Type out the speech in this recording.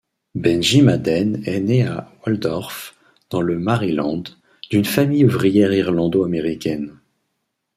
Benji Madden est né à Waldorf dans le Maryland, d'une famille ouvrière irlando-américaine.